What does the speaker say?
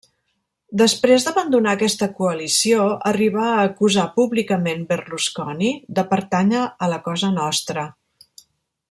Després d'abandonar aquesta coalició, arribà a acusar públicament Berlusconi de pertànyer a la Cosa Nostra.